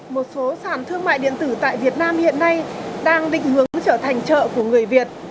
một số sản thương mại điện tử tại việt nam hiện nay đang định hướng trở thành chợ của người việt